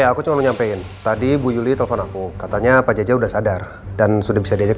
ya aku cuma menyampaikan tadi bu yuli telepon aku katanya pak jaja udah sadar dan sudah bisa diajak